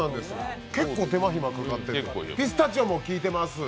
結構、手間暇かかってるからピスタチオもきいてます